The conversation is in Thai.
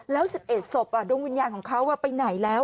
แล้ว๑๑ศพดวงวิญญาณของเขาไปไหนแล้ว